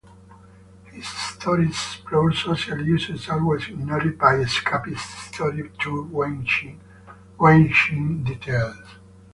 His stories explore social issues-always ignored by escapist stories-to wrenching details.